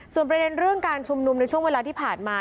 ส่วนประเด็นเรื่องการชุมนุมในช่วงเวลาที่ผ่านมา